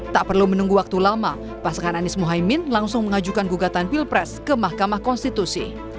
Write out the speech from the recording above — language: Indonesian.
tak perlu menunggu waktu lama pasangan anies mohaimin langsung mengajukan gugatan pilpres ke mahkamah konstitusi